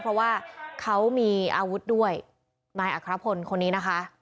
เพราะว่าเขามีอาวุธด้วยนายอัครพลคนนี้นะคะ